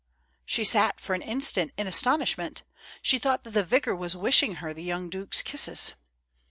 '' She sat for an instant in astonishment ; she thought that the vicar was wishing her the young due's kisses.